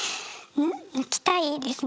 抜きたいですね。